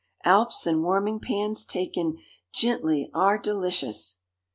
Alps and warming pans taken "jintly" are delicious!'